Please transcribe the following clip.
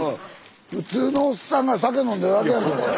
普通のおっさんが酒飲んでるだけやんけこれ。